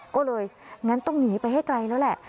ก็เลยงั้นต้องหนีไปให้ไกลแล้วแหละ